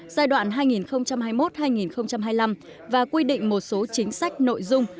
giai đoạn hai nghìn hai mươi một hai nghìn hai mươi năm và quy định một số chính sách nội dung